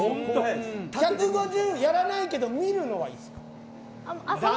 １５０やらないけど見るのはいいですか？